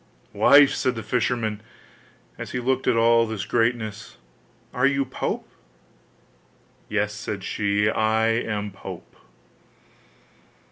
'Wife,' said the fisherman, as he looked at all this greatness, 'are you pope?' 'Yes,' said she, 'I am pope.